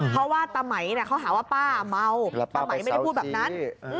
เพราะว่าตะไหมเขาหาว่าป้าเมาตะไหมไม่ได้พูดแบบนั้น